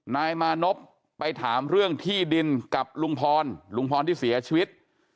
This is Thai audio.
นายมานพไปถามเรื่องที่ดินกับลุงพรลุงพรที่เสียชีวิต